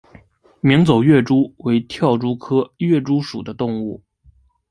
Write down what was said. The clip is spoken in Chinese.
鸣走跃蛛为跳蛛科跃蛛属的动物。